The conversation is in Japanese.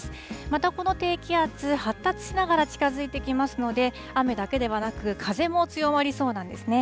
またこの低気圧、発達しながら近づいてきますので、雨だけではなく、風も強まりそうなんですね。